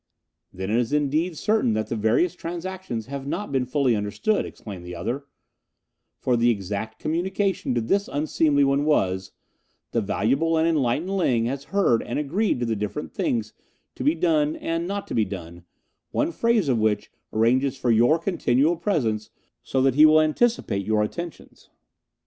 "Then it is indeed certain that the various transactions have not been fully understood," exclaimed the other, "for the exact communication to this unseemly one was, 'The valuable and enlightened Ling has heard and agreed to the different things to be done and not to be done, one phrase of which arranges for your continual presence, so that he will anticipate your attentions.